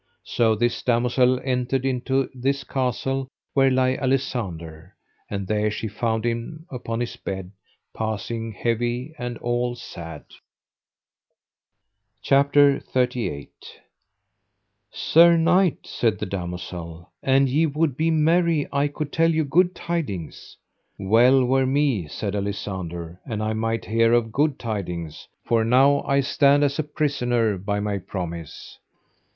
So this damosel entered into this castle where lay Alisander, and there she found him upon his bed, passing heavy and all sad. CHAPTER XXXVIII. How Alisander was delivered from Queen Morgan le Fay by the means of a damosel. Sir knight, said the damosel, an ye would be merry I could tell you good tidings. Well were me, said Alisander, an I might hear of good tidings, for now I stand as a prisoner by my promise.